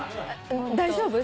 大丈夫？